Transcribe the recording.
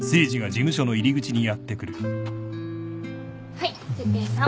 はい哲平さん。